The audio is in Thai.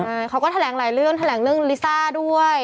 ใช่เขาก็แถลงหลายเรื่องแถลงเรื่องลิซ่าด้วย